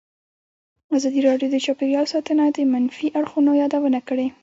ازادي راډیو د چاپیریال ساتنه د منفي اړخونو یادونه کړې.